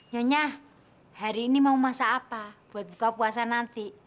nyonya hari ini mau masa apa buat buka puasa nanti